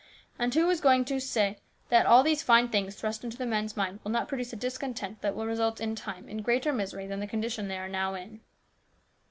And who is going to say that all these fine things thrust into the men's minds will not produce a discontent that will result in time in greater misery than the condition they are now in